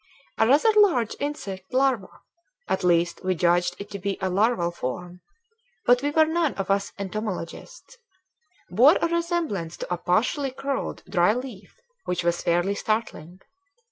A rather large insect larva at least we judged it to be a larval form, but we were none of us entomologists bore a resemblance to a partially curled dry leaf which was fairly startling.